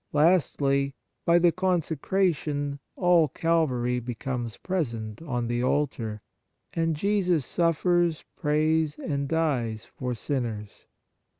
Lastly, by the consecration, all Calvary be comes present on the altar, and Jesus suffers, prays and dies for sinners.